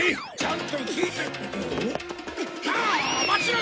ん？